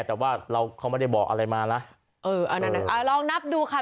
แต่ว่าเราเขาไม่ได้บอกอะไรมานะเอออันนั้นน่ะอ่าลองนับดูค่ะ